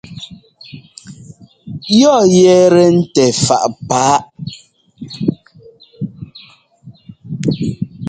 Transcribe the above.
Yɔ yɛ́tɛ́ ntɛ fáʼ pá?